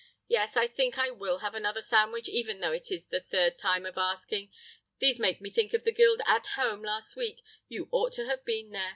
"Yes, I think I will have another sandwich, even though it is the third time of asking. These make me think of the Guild 'At Home' last week. You ought to have been there.